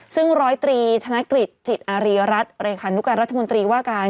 ซึ่งร้อยตรีธนกฤษจิตอารีรัฐเลขานุการรัฐมนตรีว่าการ